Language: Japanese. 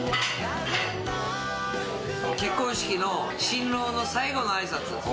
結婚式の新郎の最後のあいさつ。